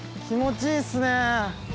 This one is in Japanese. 気持ちいいっすね。